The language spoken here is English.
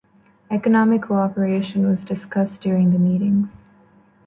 Economic cooperation was discussed during the meetings.